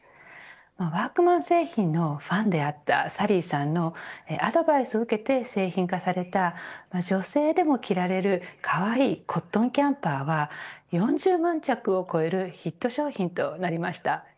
ワークマン製品のファンであったサリーさんのアドバイスを受けて製品化された女性でも着られるかわいいコットンキャンパーは４０万着を超えるヒット商品となりました。